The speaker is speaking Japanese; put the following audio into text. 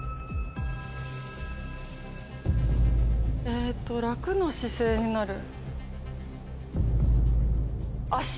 えっと「楽な姿勢になる」。